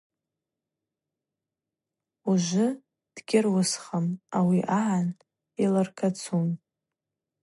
Ужвы дгьыруысхым, ауи агӏан йлыркацун.